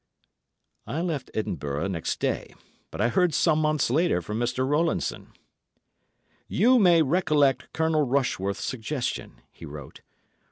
I left Edinburgh next day, but I heard some months later from Mr. Rowlandson. "You may recollect Colonel Rushworth's suggestion," he wrote.